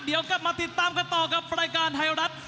เดี๋ยวกลับมาติดตามกันต่อกับรายการไทยรัฐ